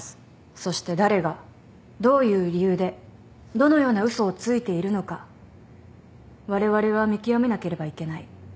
そして誰がどういう理由でどのような嘘をついているのかわれわれは見極めなければいけない。